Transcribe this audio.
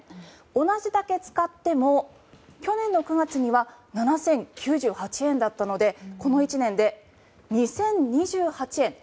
同じだけ使っても去年９月は７０９８円だったのでこの１年で、２０２８円。